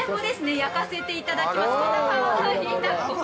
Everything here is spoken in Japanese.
焼かせていただきます。